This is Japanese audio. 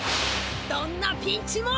どんなピンチも。